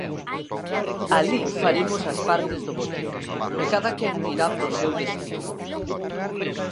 Alí faremos as partes do botín, e cadaquén irá para o seu destino.